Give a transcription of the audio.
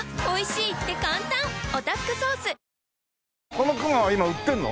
この熊は今売ってるの？